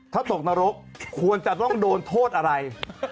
ถ้าตกนรกควรจะต้องโดนโทษอะไร